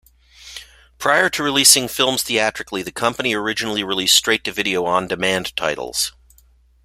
Prior to releasing films theatrically, the company originally released straight-to-video on demand titles.